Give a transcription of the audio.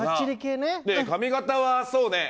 で、髪形はそうね。